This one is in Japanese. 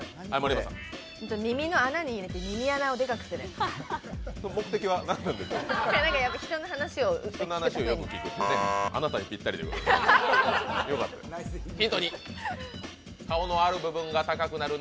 耳の穴に入れて、耳の穴をでかくする。